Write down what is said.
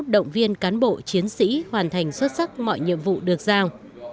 động viên cán bộ chiến sĩ hoàn thành xuất sắc mọi nhiệm vụ được giao